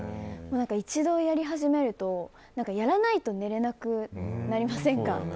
一度やり始めるとやらないと寝れなくなりませんか。